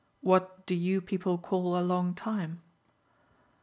"What do you people call a long time?"